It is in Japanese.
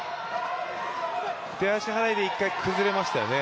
出足払いで１回、崩れましたよね。